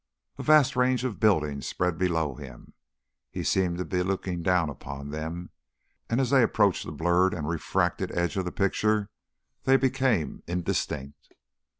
A vast range of buildings spread below him; he seemed to be looking down upon them; and, as they approached the blurred and refracted edge of the picture, they became indistinct.